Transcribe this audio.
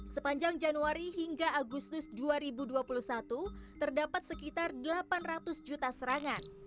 sepanjang januari hingga agustus dua ribu dua puluh satu terdapat sekitar delapan ratus juta serangan